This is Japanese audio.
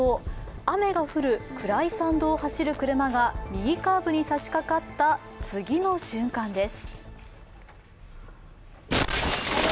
雨が降る暗い山道を走る車が右カーブにさしかかった次の瞬間です。